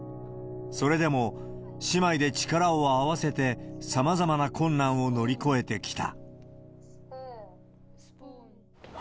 それでも姉妹で力を合わせてさまざまな困難を乗り越えてきた。